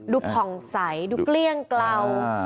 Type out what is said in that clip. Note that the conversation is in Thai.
ผ่องใสดูเกลี้ยงเกลา